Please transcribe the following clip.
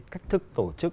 cách thức tổ chức